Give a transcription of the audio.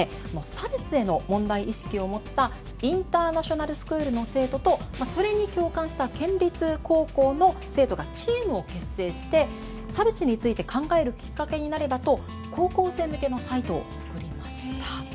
差別への問題意識を持ったインターナショナルスクールの生徒とそれに共感した県立高校の生徒がチームを結成して差別について考えるきっかけになればと高校生向けのサイトを作りました。